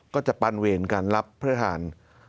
ก็จะปานเวรการรับพระทาน